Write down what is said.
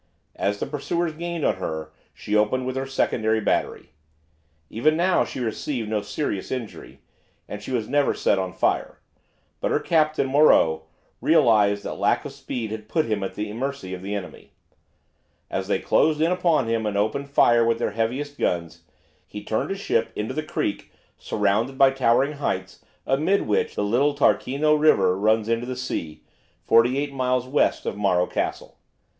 As the pursuers gained on her she opened with her secondary battery. Even now she received no serious injury, and she was never set on fire. But her captain, Moreu, realized that lack of speed had put him at the mercy of the enemy. As they closed in upon him and opened fire with their heaviest guns, he turned his ship into the creek surrounded by towering heights amid which the little Tarquino River runs into the sea, forty eight miles west of Morro Castle.